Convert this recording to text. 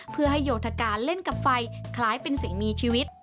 เพื่อให้โยธการเล่นกับไฟคล้ายเป็นสิ่งมีชีวิต